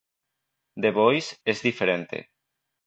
The Voice es diferente.